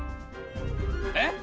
えっ！？